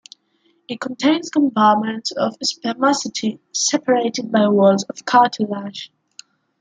It contains compartments of spermaceti separated by walls of cartilage.